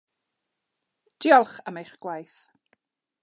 Diolch am eich gwaith.